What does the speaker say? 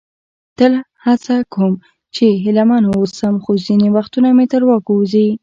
تل هڅه کوم چې هیله مند واوسم، خو ځینې وختونه مې تر واک ووزي.